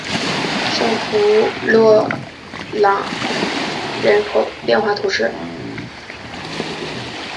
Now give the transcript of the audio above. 圣夫洛朗人口变化图示